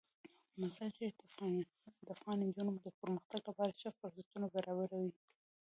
مزارشریف د افغان نجونو د پرمختګ لپاره ښه فرصتونه برابروي.